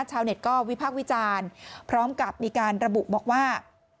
ชาวเน็ตก็วิพากษ์วิจารณ์พร้อมกับมีการระบุบอกว่า